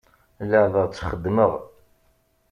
Leɛbeɣ-tt xeddmeɣ.